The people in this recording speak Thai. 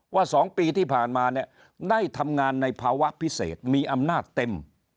๒ปีที่ผ่านมาเนี่ยได้ทำงานในภาวะพิเศษมีอำนาจเต็ม